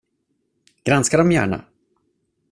Granska dem gärna.